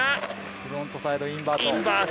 フロントサイドインバート。